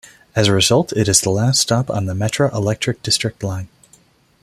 As a result, it is the last stop on the Metra Electric District line.